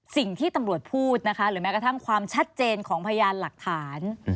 สิ่งที่ตำรวจพูดนะคะหรือแม้กระทั่งความชัดเจนของพยานหลักฐาน